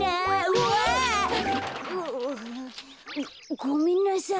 うわ。ごめんなさい。